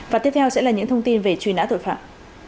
và tiếp theo sẽ là những thông tin về truy nã tội phạm